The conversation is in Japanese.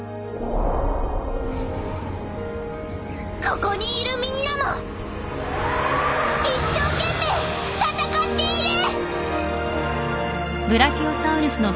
ここにいるみんなも一生懸命戦っている！